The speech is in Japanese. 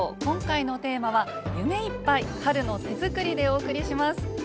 今回のテーマは「夢いっぱい春の手作り」でお送りします。